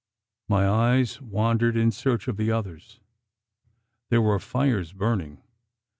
My eyes wandered in search of the others. There were fires burning.